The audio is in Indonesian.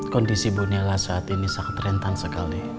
kondisi ibu nayla saat ini sangat rentan sekali